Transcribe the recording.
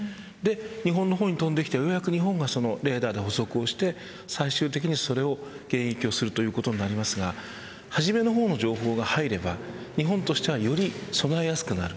日本に飛んできてレーダーで捕捉して最終的にそれを迎撃するということですが初めの方の情報が入れば日本としてはより備えやすくなる。